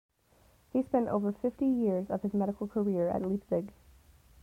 He spent over fifty years of his medical career at Leipzig.